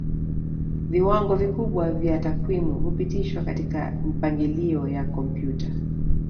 Viwango vikubwa vya takwimu hupitishwa katika mipangilio ya kompyuta